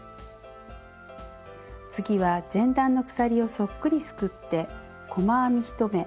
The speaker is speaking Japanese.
次は前段の鎖をそっくりすくって細編み１目。